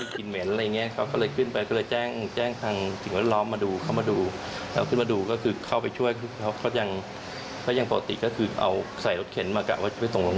เพิ่งรู้วันนี้เพิ่งรู้เมื่อกี้ว่าเป็นมะเร็งด้วย